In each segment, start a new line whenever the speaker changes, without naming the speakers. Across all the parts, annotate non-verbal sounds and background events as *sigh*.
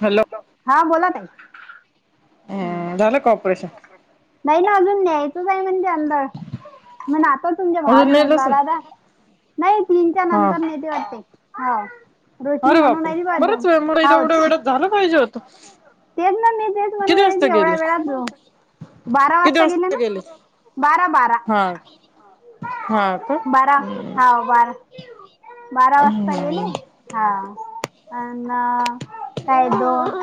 Hello
हा बोला ताई हम
हम्म झालं का ऑपरेशन
नाही ना अजून नाह म्हनजे तुमच्या भावाला
अजून
फोन ला
नेलच ना
आला नाही तीनच्या
हा
नंतर नाही ते वाटते हो रोशनी
अरे
म्हणून
बापरे
आहे ती बा
बरच
अजून
वेळ मु इथे
हो
एवढ्या वेळात झालं पाहिजे होत
तेच ना मी तेच
किती
म्हणून आहे
वाजता
की
गेलं?
एवढ्या वेळात जाऊ बारा
किती वाजता गेले
ना बारा बारा
हा. हा का
बारा
हम्म.
हा बारा बारा वाजता गेले हा अन काय दोन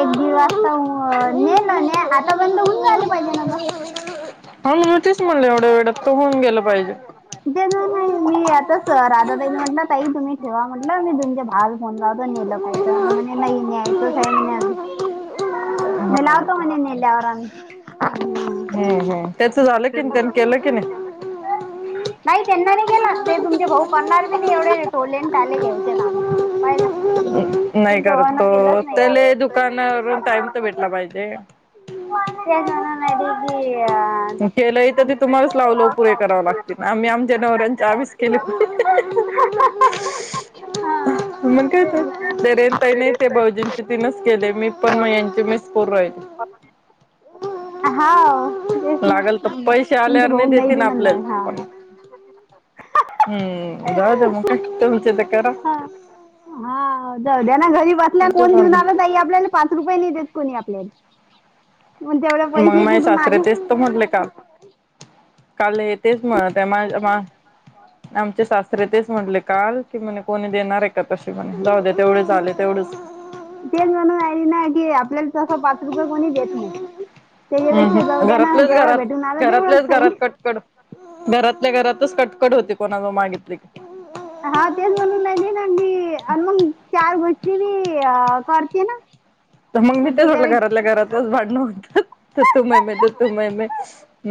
एक दिवस अह ने ना ने आता पर्यंत होऊन झाले पाहिजे ना ग
हा तेच म्हणले एवढ्या वेळात तर होऊन गेल
ज नाही मी आताच राधा ताई म्हटल ताई तुम्ही ठेवा म्हटल मी तुमच्या भावाला फोन लावतो नेलं काय *unintelligible* नाही न्यायचच आहे म्हणे अजून म लावतो
हा
म्हणे नेल्यावर आम्ही
हम्म हम्म त्याच झालं की नाही त्यांनी केलं कि नाही
ह नाही त्यांना नाही केला ते तुमचे भाऊ करणार बी नाही एवढे टोले अन टाले घ्यायचे काम *unintelligible*
नाही
तुमच्या
करत
भावानं
तो
केलंच नाही हा.
तेला दुकानावरून टाइम तर भेटला पाहिजे
*unintelligible*
लागते ना आम्ही आमच्या नवऱ्यांचे आम्हीच केले
अ हा
मग काय
तेच
तर
ना.
दरेन काही नाही ते भाऊजींचे तीनच केले मी पण मग यांचे मिस कोर आहेत
हाव तेच ना
लागल तर पैसे
तुमचे
आल्यावर
भाऊ
नाही देेत
बी
ना
म्हणणार
आपल्याला
हा.
पण हम्म जाऊ द्या मग *unintelligible* तुमचे तर करा
हा हा दद्याना घरी बसल्या कोण घऊन आला तई आपल्याला पाच रुपये नाही देत कोणी आपल्याला मग तेवढे
मग
पैसे
माझे
कुठून
सासरे
आले
तेच तर म्हटले काल काल य तेच *unintelligible* आमचे सासरे रे तेच म्हटले काल की म्हणे कोणी देणार आहे का तसे म्हणे जाऊ दे तेवढेच आले तेवढेच
तेच म्हणून आले ना की आपल्याला तस पाच रुपये कोणी देत नाही. त्याच्यापेक्षा
हम्म
जाऊ द्या ना
घरातल्याच
जेवढं
घरात
भेटून आलं तेवढंच
घरातल्याच
सही.
घरात कटकड घरात घरातल्या घरातच कटकट होती कोणा जवळ मागितली की
हा तेच म्हणून नाही दे नाय बी आणि मग चार गोष्टी बी अह करते ना
तर मग मी ते बोलल घरातल्या घरातच भांडण होत तू तू मैं मैं तू तू मैं मैं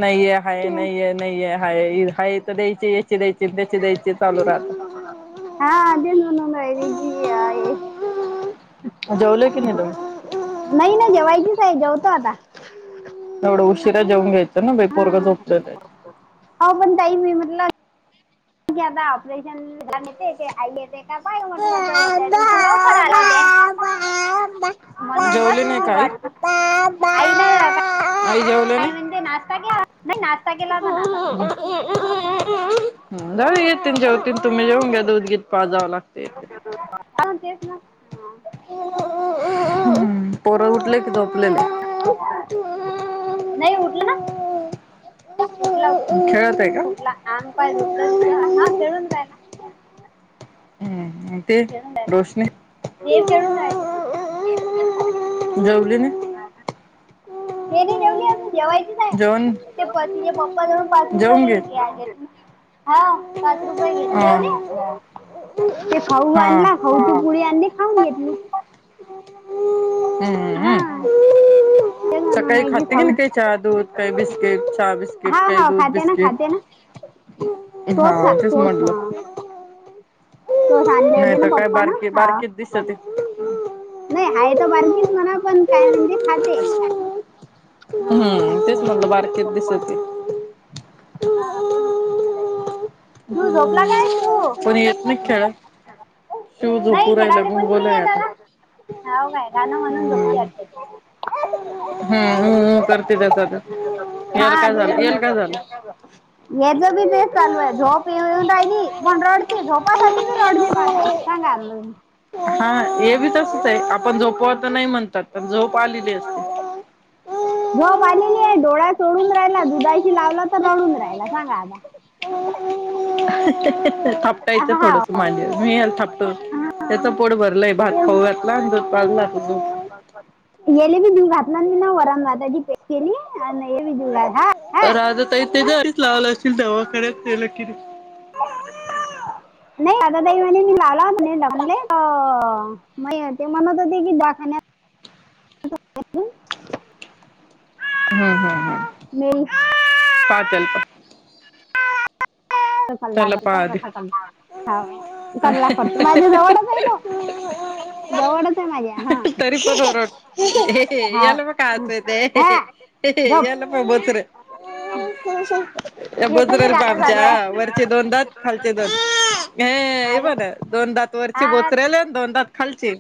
नाही या है
ते
नहीय नहीय हाय हाय तर द्यायची याचे द्यायचे त्याचे द्यायचे चालू राहत.
हा अते म्हणून राहिली की आहे
जेवले की नाही तुम्ही
नाही नाही जेवायचीच आहे जेवतो आता
एढ उशिरा जेऊन घ्यायचं ना
हा
पोरग झोपलंयच
कारण आता ऑपरेशन *unintelligible* येते ते आई येते बाई म्हटलं तर त्या दि लवकर आल ते म्हणून
जेवली
बसली
नाही
मी
का आई?
वाट बघत आई ना का
आई जेवले
काय म्हणजे नाश्ता केला नाश्ता
*unintelligible*
केला होता नाश्ता
नाही ते येतील जेवतील तुम्ही जेवून घ्या दूध बीज पाजावला
*unintelligible*
*unintelligible* पोर उठले कि झोपलेले? खेळत आहे का? हम्म ते
खेळून राहिला
रोशनी
हे खेळून राहिले
जेवली नाही?
हे नाही जेवली अजून जेवायचीच आहे.
जेवण
ते-प-ज तिजे पप्पा न, पाच रुपय
जेवून घे
ये ग्या हा पाच रुपये घेतले
हा
होते. ते खाऊ
हा
आणला, खाऊ ती पुळी आणली, खाऊन घेतली. हा
हम्म-हम्म-हम्म.
ते म्हणून
सकाळी
नाही
खाते की
खाऊ
नाही चहा, दूध काही बिस्किट
हा
बिस्किट, दूध बिस्किट हा
दोसा,
तेच
दोसा
म्हटलं
तो सांधले
नाही
होते ना
तर काय
पप्पा ना
बारकी
हा
बारकीच दिसते
नाही आहे त बारकीच म्हणा पण काय म्हणजे खाते. हं
हम्म
खाते
तेच म्हटलं बारकीत
हो
दिसते.
तू झोपला काय तू?
पण येत नाही खेळात शिव
नाही
झोपू राहिला
खेळायले कोणी
गुंगोलाय
नाहीए
आता.
त्याला हाव काय? गाणं म्हणून झोपते अे
हम-ह-ह
*inaudible*
करतितात
हा
झालं.
याचा बिझनेस चालू आहे. झोप येऊन राहिली रडते झोपासाठी बी रडते पा ताई सांगा
हे बी तसच ये. आपण झोपत नाही म्हणतात पण झोप आलेली असते.
*inaudible* झोप आलेली आहे. डोळ्या चोडून राहिला, दुधाशी लावला तर रडून राहिला, सांगा आता *unintelligible*
थापटायचं
हा
थोडसं माजे, मी याल थापतो. त्याचं पोट भरलंय. भात
ते
खाऊ घातला. दूध पाजून आता झोप
एले भी दूध घातलं, वरण-भाताची पेच केली, एलेबी जीवू घातल.
राधा तई त्याच्यासाठी लावलं असेतील दवाखऱ्यात ते-ल किरी
नाही आतादाई म्हने मी ला आलत नाहीले म हो ते म्हणत होते की दाखण्या दाखवुन
हम्म-हम्म-हम्म पातलप
कला
त्याला पाहा आधी
पंध क कल्ला पडते माझ्या जवळच आहे तो जवळच आहे माझ्या
तरी
हा
पण ओर याला याला बघ काय
हो
हसू येते
हा गप
याला प
याचं बी
बचर-बचरल प
गाणं चालू
आमच्या
आहे
वर खालचे दोन दात, खालचे दोन हे
आले
बण दोनदात वरची
आ
बोचरेल, दोनदात खालचे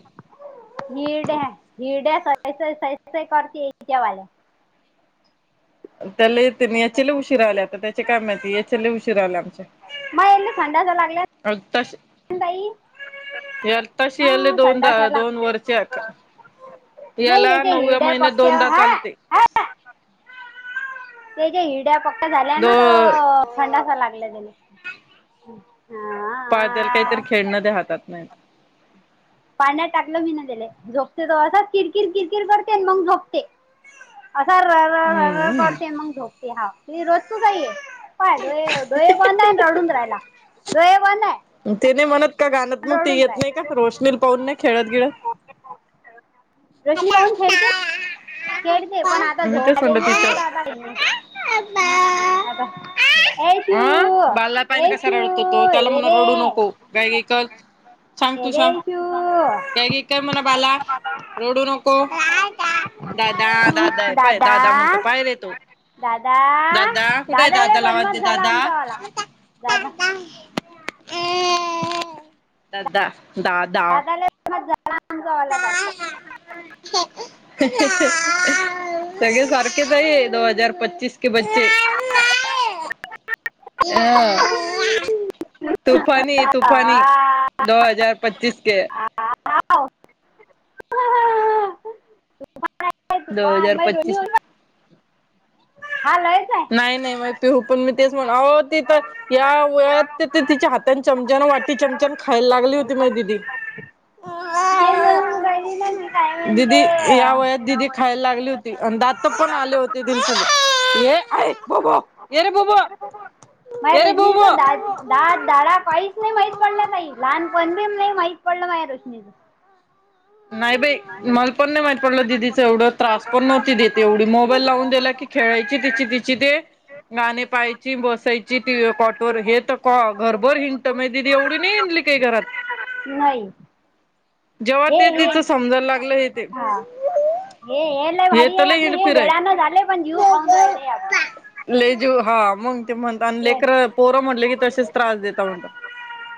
निड्या निड *inaudible*
त्याला येते याच्या उशीरा आले आता त्याचे काय माहिती याच्या लई उशीरा आले आमच्या
मग ए खांदा जा लागल्यात
ये आत्ताशी याले
हा
दोनदा,
संडासाला
दोन वरचे का
नाही येथे हिरड्या पक्या
चालते
हा-हा त्याच्या हिरड्या पक्क्या झाल्या
दो
ना त संडासा लागला त्याने *unintelligible*
पायद्याल काहीतरी खेळणं दे हातात नाहीत.
पाळण्यात टाकलं मी ना त्यले झोपते तो असं किरकिर, किरकिर करते मग झोपते. असा र-र-र-र करते
हम्म
मग झोपते. हा ति रोजचच हाय हे. काय डोळे-डोळे बंद हाय, रडून राहायला डोळे बंद हाय.
ते नाही म्हणत का गाण्यात मग ते येत नाही का रोशनीला पाहून नाही खेळत गिळत
रोशनी पाहून खेळते खेळते पण आता
मी
झोप
तेच म्हणलं
आलेली आहे
तिचं
दादा ना ग आता ए
अं
शिव
बालाला पान
ए
कसा
शिव
रडतो तो, त्याला
ये
म्हण
रे
रडू नको गाईक सांग
ये
तू
रे
सांग गाई,
शिव
गाई कर म्हण बाला रडू नको दादा दादा आहे पाय दादा म्हणतो पाय रे तो
दादा
दादा कुठे आहे
लय
दादा लाव
बदमाश झाला
दादा
आमचा वाला दादा
दादा दा दा
तो आला दादा
सगळे सारखेच आहे दोन हजार पच्चीस *unintelligible* *unintelligible*
हा
दो हजार पच्चीस
*unintelligible*
नाही नाही मी पिहू पण मी तेच म्हणा आहो ति तर या वयात ती तिच्या हातात चमचा वाटी चमचान खायला लागली होती माई दिदी दिदी या
*unintelligible*
वयात दिदी खायला लागली होती आणि दात पण आले होते दिदी ये आय बब येरे बबा
माय रजनीच दात दात दाडा काहीच नाही माहीत पडल्या ताई लहान बंदीम नाही माहीत पडलं माझ्या रोशनीच
नाही बाई मल पण नाही माहित पडलं दिदीचं एवढं त्रास पण नव्हती दित तेवढी मोबाईल लावून दिला की खेळायची तिची तिची ते गाणी पाहायची बसायची टीव्ही काॅटवर हे तर क घरभर हिंंङत माझी दिदी एवढी नाही हिंङली ते घरात
नाही
जेव्हा
हे
ते
हे
तिचं समजायला लागलं हे ते
हा हे लय
हे
भारी
तर
आहे
लय
आपले हे
हिंडफिर
वेळानं झाले पण जीव खाऊन
हाय
राहिले आपण
लै जिव हा मंग ते म्हणता आणि
हे
लेकर पोरं म्हटले की तसेच त्रास देता म्हणत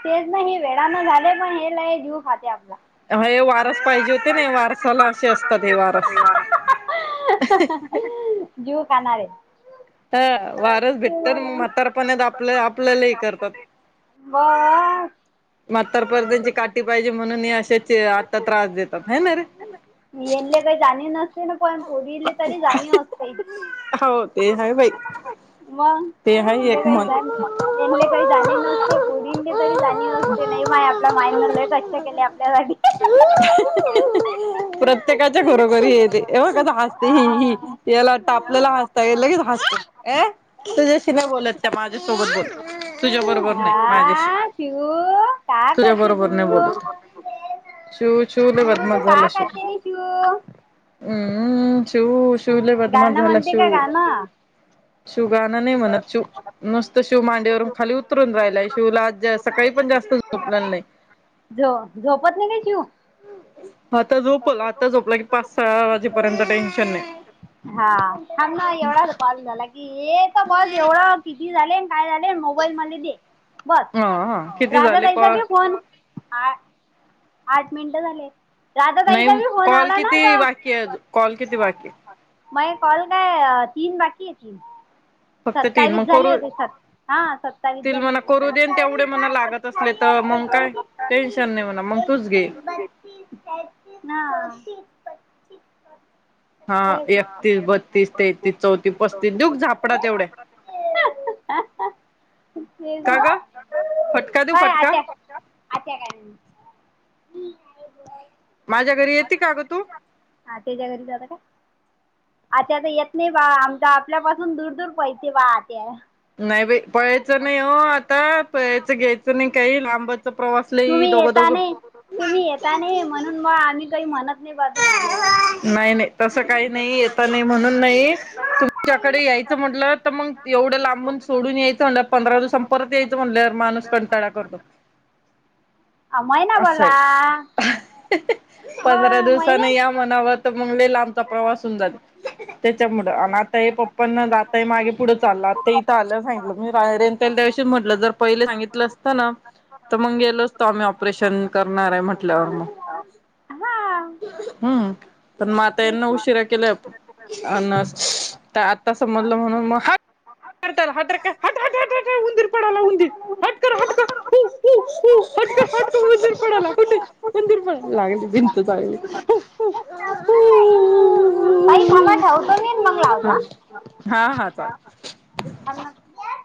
तेच नाही हे वेळाने झाले पण हे लई जीऊ खाते आपला
हा हे वारस पाहिजे होते ना वारसाला असे असतात हे वारस
जीव खाणारे
ह वारस भेटत मग म्हातारपण आपल्या आपल्यालाही करतात
हा
मात्हार परद्यांची काठी पाहिजे म्हणून ही अशीच आता त्रास देतात हय ना रे
मी येनले काही जाणे ना पण पुरले तरी जाणीव असत इथ
हो ते हाय बाई
मग
ते हाय एक
ले
म्हण.
काहीले काही जाणी नसते गोरीं तरी जाणी नसते नाही मा माय न लय कष्ट केले आपल्यासाठी.
प्रत्येकाच्या घरोघरी येते हे बग कस हसते ही ही
हा
याला टापलेलहसतय लयचं हास्तय ए खितूझ्याशीनाय बोलत त्या माझ्यासोबत बोल तुझ्या बरोबर नाही माझ्याशी
हा शिवू का
तुझ्या
करते
बरोबर नाही
तू
बोलत शू शू ल बद
शिव
म
तू का
झाला शू
करते रे शिव
हम्म्म शिव शिवलय बदमाश
गाणं
झाला
म्हणते का
शिव
गाणं
शिव गाणं नाही म्हणत शिव नुसतं शिव मांड्यावरून खाली उतरून राहिलाय शिवला आज सकाळी पण जास्त झोपले नाही
जो झोप वतनीने शीव
आता झोपल आता झोपला की पाच सहा वाजेपर्यंत टेन्शन नाही
*unintelligible* हा हना एवढाच पाल झाला की ए तर बस एवढं किती झाले काय झाले मोबाईल मले दे बस
हा किती
राजा
झाले
ताईचा
कॉल
देऊ फोन आ आठ मिनिट झाले राधा
नाही
ताईचा बी फोन
कॉल
आला ना
किती
अस
बाकी आहे कॉल किती बाकी आहे?
मये कॉल काय तीन बाकी आहे तीन
फक्त तीन मग
सत्तावीस झाले
करू
होते सत्त हा सत्तावीस
तील
झाले
म्हणा
होते
करू देन तेवढे
सत्तावीस
म्हणा
झा
लागत असले तर मग काय
सत्तावीस स एकतीस तीस
टेन्शन नाही म्हणा मग
एक
तूच घे
एकसतीस बत्तीस तेहत्तीस नऊ चौतीस पस
हा एकतीस बत्तीस तेहतीस चौतीस पस्तीस दूघ झापडा
*unintelligible* एक
तेवढ्या
*inaudible*
का ग फटका देऊ
काय
फटका
आत्या अत्या काय म
माझ्या घरी
*unintelligible* हा
येते का ग तू
त्याच्या घरी जात का? अत्या येत नाही बा आमचा आपल्यापासून दूर दूर पैसे बा आत्या
नाही बाई पळायचं नाही हो आता पळायच घ्यायचं नाही काही लांबाच प्रवास लई
तुम्ही
दोघं
येता नाही तुम्ही येता नाही
दोघं
म्हणून म आम्ही काही म्हणत नाही बा तुम्हाले
नाही-नाही तसं काही नाही येता नाही म्हणून नाही तुमच्याकडे यायचं म्हटलं तर मग एवढं लांबून सोडून यायचं म्हणलं पंधरा दिवसां परत यायचं म्हणलं माणूस कंटाळा करतो.
अ मयनाभर रहा
हह पंधरा दिवस तनाही या मनाव तमंग लई लांबचा प्रवास होवूनजाल त्याच्यामुळे अन् आता हे पप्पाना दा आता मागे पुढं चाललं आता इथ आलं सांगितलं मी रायरेनतेल दिवशी म्हटलं जर पहिले सांगितलं असतं ना तमंग गेलो असतो आम्ही ऑपरेशन करणार आहे म्हटल्यावर मग
हा,
हम्म पण मआता
तेच
यांना
ना.
उशिरा केला आपण अन तर आता समजलं म्हणून मग हाट *inaudible* तर हा तरकर हाटहाटहाटहाट आय उंदीर पडाला उंदीर हटकर हटकर उ ऊऊ ऊ हटकर-हटकर उंदिर पडाला उंदिर उंदिर पळाला लागली भिंत लागली जायली
*unintelligible* ऊऊऊऊ ताईथांबाठेवतो मी मंगलावता
हा
हा अ *inaudible*